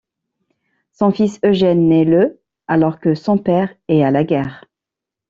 Son fils, Eugène, naît le alors que son père est à la guerre.